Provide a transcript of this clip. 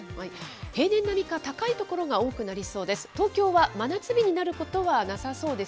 平年並みか高い所が多くなりそうです。